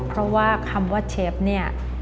เพราะว่าคำว่าเชฟเนี่ย